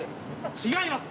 違います